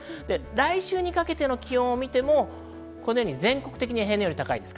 来週にかけての気温を見ても全国的に平年より高いです。